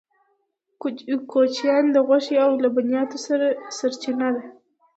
کوچیان د غوښې او لبنیاتو سرچینه ده